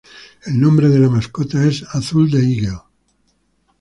El nombre de la mascota es "Azul the Eagle".